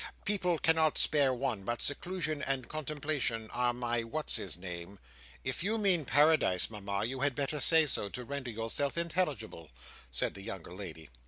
People cannot spare one. But seclusion and contemplation are my what his name—" "If you mean Paradise, Mama, you had better say so, to render yourself intelligible," said the younger lady.